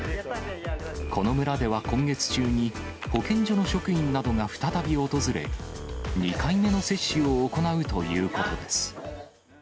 この村では今月中に、保健所の職員などが再び訪れ、２回目の接種を行うということです。